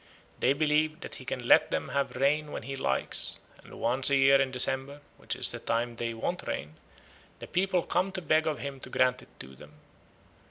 They believe that he can let them have rain when he likes; and once a year, in December, which is the time they want rain, the people come to beg of him to grant it to them."